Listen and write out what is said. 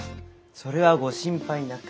それはご心配なく。